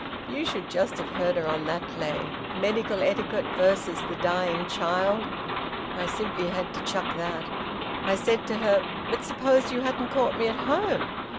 You should just have heard her on that lay medical etiquette versus the dying child. I simply had to chuck that. I said to her, `But suppose you hadn't caught me at home?